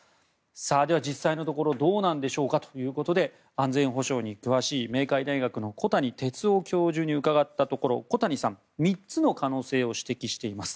では、実際のところどうなんでしょうかということで安全保障に詳しい明海大学の小谷哲男教授に伺ったところ小谷さん、３つの可能性を指摘しています。